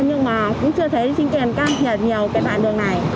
nhưng mà cũng chưa thấy chính quyền can thiệp nhiều cái đoạn đường này